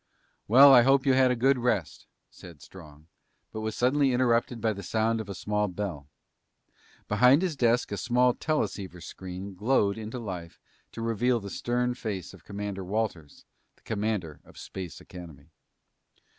"Well, I hope you had a good rest " said Strong, but was suddenly interrupted by the sound of a small bell. Behind his desk a small teleceiver screen glowed into life to reveal the stern face of Commander Walters, the commander of Space Academy.